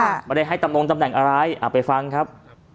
ไม่ได้ให้ตำรงตำแหน่งอะไรอ่ะไปฟังครับ